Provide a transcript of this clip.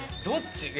どっち？